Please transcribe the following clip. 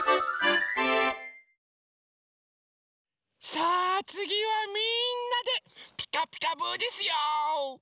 さあつぎはみんなで「ピカピカブ！」ですよ。